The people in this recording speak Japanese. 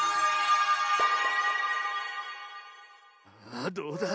あどうだ？